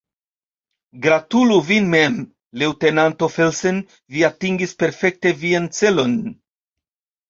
Gratulu vin mem, leŭtenanto Felsen, vi atingis perfekte vian celon!